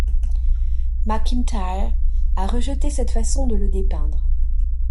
McIntyre a rejeté cette façon de le dépeindre.